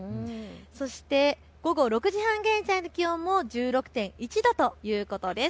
そして午後６時半現在の気温も１６．１度ということです。